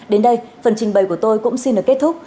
đến đây phần trình bày của tôi cũng xin được kết thúc